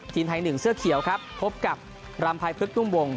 ทีมไทยหนึ่งเสื้อเขียวครับพบกับรำภัยพฤกตุ้มวง